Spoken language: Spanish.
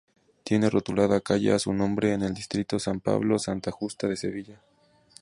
Tiene rotulada calle a su nombre en el distrito San Pablo-Santa Justa de Sevilla.